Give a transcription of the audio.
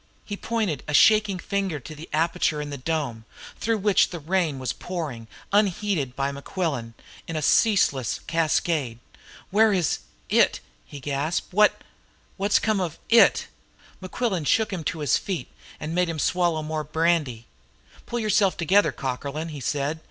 He pointed a shaking finger to the aperture in the dome, through which the rain was pouring, unheeded by Mequillen, in a ceaseless cascade. "Where is It?" he gasped. "What what's come of It?" Mequillen shook him to his feet, and made him swallow more brandy. "Pull yourself together, Cockerlyne!" he said.